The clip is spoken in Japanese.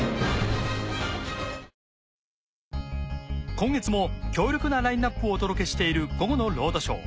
今月も強力なラインナップをお届けしている『午後のロードショー』。